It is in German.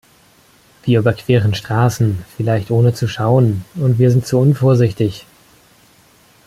Wir überqueren Straßen, vielleicht ohne zu schauen, und wir sind zu unvorsichtig.